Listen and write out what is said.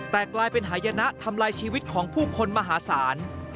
แต่กลายเป็นหายนะทำลายชีวิตของผู้คนมหาศาล